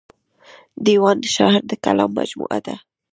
دېوان د شاعر د کلام مجموعه ده.